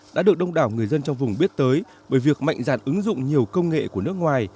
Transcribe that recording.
đã được đông đảo người dân trong vùng biết tới bởi việc mạnh dạn ứng dụng nhiều công nghệ của nước ngoài